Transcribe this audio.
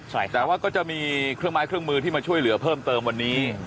แต่ว่าก็จะมีเครื่องไม้เครื่องมือที่มาช่วยเหลือเพิ่มเติมวันนี้